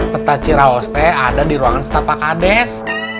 peta ciraos teh ada di ruangan setapak hades